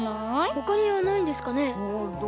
ほかにはないんですかね？